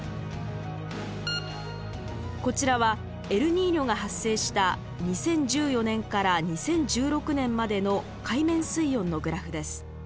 こちらはエルニーニョが発生した２０１４年から２０１６年までの海面水温のグラフです。